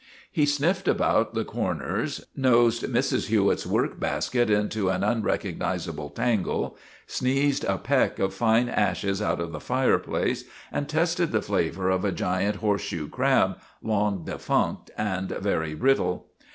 He sniffed about the cor ners, nosed Mrs. Hewitt's workbasket into an un recognizable tangle, sneezed a peck of fine ashes out of the fireplace, and tested the flavor of a giant horseshoe crab, long defunct and very brittle.